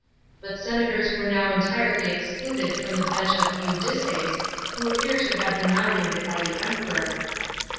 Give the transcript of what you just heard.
But senators were now entirely excluded from the bench of indices,* who appear to have been nominated by the Emperor.